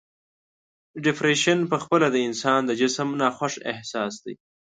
ډپریشن په خپله د انسان د جسم ناخوښ احساس دی.